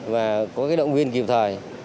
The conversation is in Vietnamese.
và có động viên kịp thời